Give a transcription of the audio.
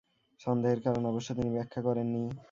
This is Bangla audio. সন্দেহের কারণ অবশ্য তিনি ব্যাখ্যা করেননি।